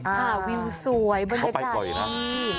อ่าวิวสวยบรรยากาศนี้